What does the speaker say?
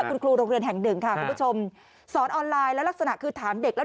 คุณครูโรงเรียนแห่งหนึ่งค่ะคุณผู้ชมสอนออนไลน์แล้วลักษณะคือถามเด็กแล้ว